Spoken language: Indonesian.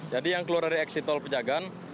jadi yang keluar dari eksitol pejagaan